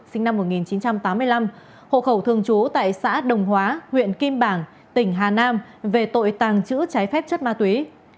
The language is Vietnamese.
sinh năm một nghìn chín trăm tám mươi năm hộ khẩu thường trú tại xã đồng hóa huyện kim bảng tỉnh hà nam về tội tàng trữ trái phép chất ma túy